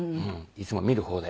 いつも見る方で。